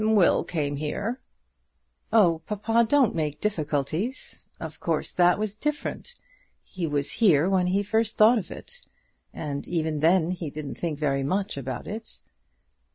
"Will came here." "Oh, papa, don't make difficulties. Of course that was different. He was here when he first thought of it. And even then he didn't think very much about it."